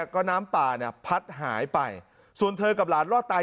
ก็น้ำป่าเนี่ยพัดหายไปส่วนเธอกับหลานรอดตาย